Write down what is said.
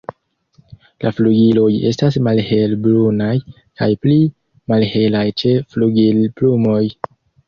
La flugiloj estas malhelbrunaj kaj pli malhelaj ĉe flugilplumoj.